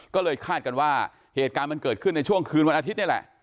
ก็เลยคาดกันว่าเหตุการณ์มันเกิดขึ้นในช่วงคืนวันอาทิตย์นี่แหละ